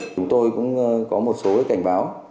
chúng tôi cũng có một số cảnh báo